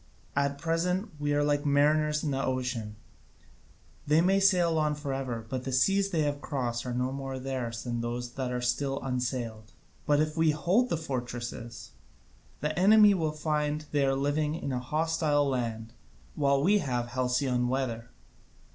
At present we are like mariners on the ocean: they may sail on for ever, but the seas they have crossed are no more theirs than those that are still unsailed. But if we hold the fortresses, the enemy will find they are living in a hostile land, while we have halcyon weather.